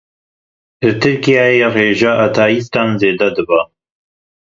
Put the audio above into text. Li Tirkiyeyê rêjeya ateîstan zêde dibe.